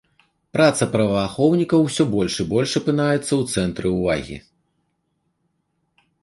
Праца праваахоўнікаў усё больш і больш апынаецца ў цэнтры ўвагі.